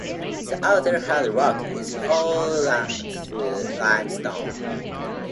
The outer hard rock is Portland limestone.